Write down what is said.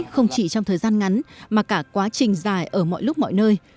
không chỉ trong thời gian ngắn mà cả quá trình dài ở mọi lúc mọi nơi